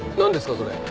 それ。